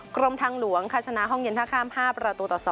กรมทางหลวงค่ะชนะห้องเย็นท่าข้าม๕ประตูต่อ๒